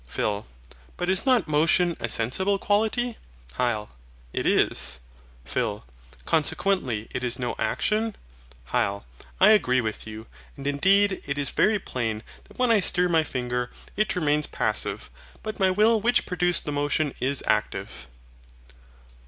PHIL. But is not MOTION a sensible quality? HYL. It is. PHIL. Consequently it is no action? HYL. I agree with you. And indeed it is very plain that when I stir my finger, it remains passive; but my will which produced the motion is active.